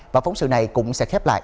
và phóng sự này cũng sẽ khép lại